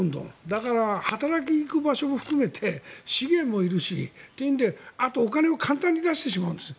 だから働きに行く場所も含めて資源もいるしというのであと、お金を簡単に出してしまうんです。